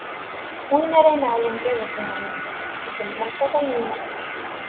Win ara ineɛlen baba-s neɣ yemma-s, d lmut ara yemmet.